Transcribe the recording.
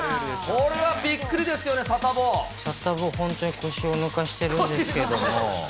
これはびっくりですよね、サタボー、本当に腰を抜かしてるんですけども。